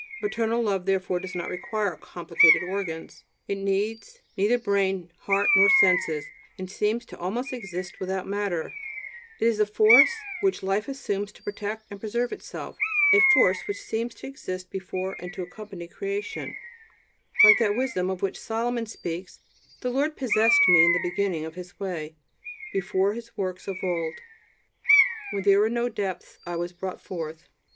Maternal love, therefore, does not require complicated organs; it needs neither brain, heart, nor senses, and seems almost to exist without matter; it is the force which life assumes to protect and preserve itself, a force which seems to exist before and to accompany creation, like that wisdom of which Solomon speaks: "The Lord possessed me in the beginning of his way, before his works of old.... When there were no depths, I was brought forth....